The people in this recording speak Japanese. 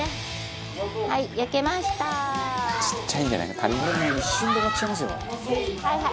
「ちっちゃいんじゃない？」